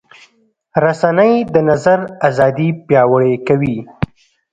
رسنۍ د نظر ازادي پیاوړې کوي.